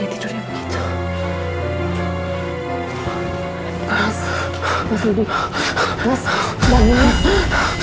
kenapa dia tidur yang begitu